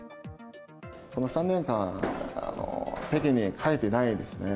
この３年間、北京に帰っていないですね。